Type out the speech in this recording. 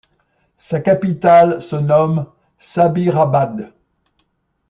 Sa capitale se nomme Sabirabad.